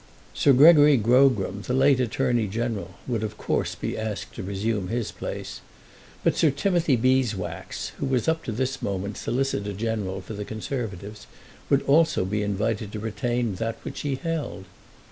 Sir Gregory Grogram, the late Attorney General, would of course be asked to resume his place; but Sir Timothy Beeswax, who was up to this moment Solicitor General for the Conservatives, would also be invited to retain that which he held.